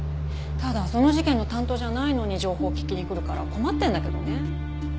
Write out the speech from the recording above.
ただその事件の担当じゃないのに情報を聞きに来るから困ってるんだけどね。